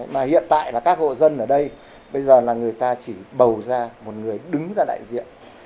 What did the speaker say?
mà hiện tại là các hộ dân ở đây bây giờ là người ta chỉ bầu ra một người đứng ra đại diện